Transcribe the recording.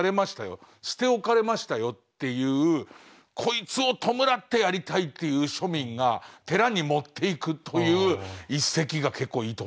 捨て置かれましたよっていうこいつを弔ってやりたいっていう庶民が寺に持っていくという一席が結構いいと思うんですけど。